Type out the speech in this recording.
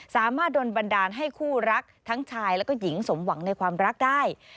สามารถโดนบันดาลให้คู่รักทั้งชายแล้วก็หญิงสมหวังในความรักได้